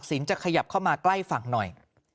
จะขยับเข้ามาใกล้ฝั่งหน่อย